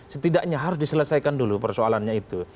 setidaknya harus diselesaikan dulu persoalannya itu